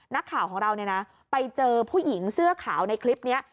นักข่าวของเราไปเจอผู้หญิงเสื้อขาวในคลิปนี้